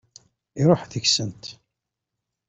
Iṛuḥ deg-sent.